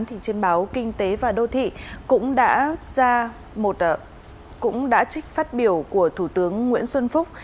thì trên báo kinh tế và đô thị cũng đã trích phát biểu của thủ tướng nguyễn xuân phúc